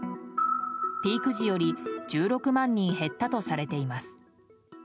ピーク時より１６万人減ったとされています。